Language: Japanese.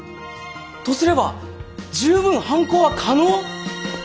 とすれば十分犯行は可能？